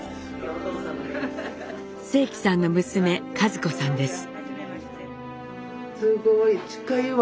正祺さんの娘和子さんです。